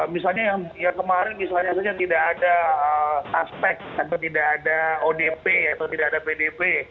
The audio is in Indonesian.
misalnya yang kemarin misalnya saja tidak ada aspek atau tidak ada odp atau tidak ada pdp